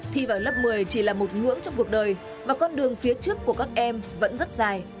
thi vào lớp một mươi chỉ là một ngưỡng trong cuộc đời và con đường phía trước của các em vẫn rất dài